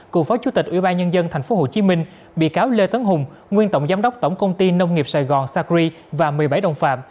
cựu phó chủ tịch ủy ban nhân dân tp hcm bị cáo lê tấn hùng nguyên tổng giám đốc tổng công ty nông nghiệp sài gòn sacri và một mươi bảy đồng phạm